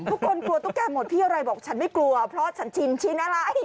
กลัวตุ๊กแกหมดพี่อะไรบอกฉันไม่กลัวเพราะฉันชินชินอะไร